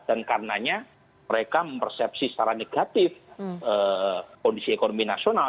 dan karenanya mereka mempersepsi secara negatif kondisi ekonomi nasional